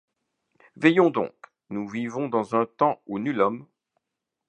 Veillons donc. Nous vivons dans un temps où nul homme